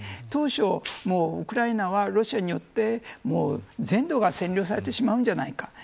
当初、ウクライナはロシアによって全土が占領されてしまうんではないか。